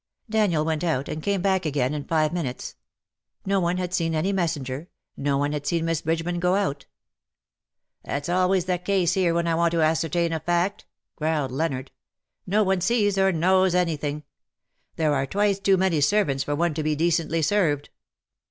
'^ Daniel went out, and came back again in five minutes. No one had seen any messenger — no one had seen Miss Bridgeman go out. ^' That's always the case here when I want to ascertain a fact/^ growled Leonard :" no one sees or knows anything. There are twice too many ser vants for one to be decently served.